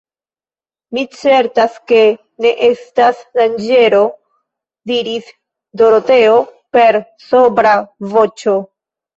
Mi certas ke ne estas danĝero, diris Doroteo, per sobra voĉo.